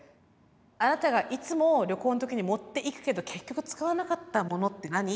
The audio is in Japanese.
あなたがいつも旅行の時に持っていくけど結局使わなかったものって何？って。